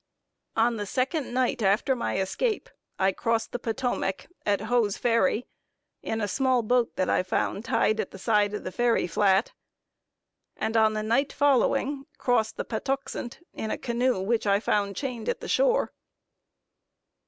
On the second night after my escape, I crossed the Potomac, at Hoe's ferry, in a small boat that I found tied at the side of the ferry flat; and on the night following crossed the Patuxent, in a canoe, which I found chained at the shore.